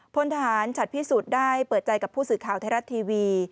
พลทหารฉัดพิสุทธิ์ได้เปิดใจกับผู้สื่อข่าวไทยรัฐทีวี